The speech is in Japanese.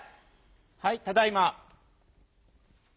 はいただいま。